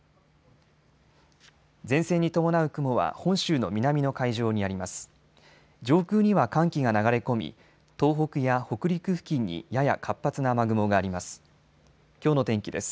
前線に伴う雲は本州の南の海上にあります。